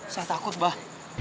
saya takut bah